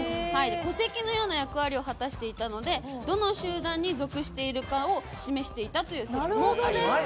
戸籍のような役割を果たしていたのでどの集団に属しているかを示していたという説もあります。